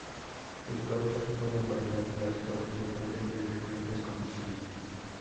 Sus causas pueden variar, las cuales dependen de diferentes condiciones.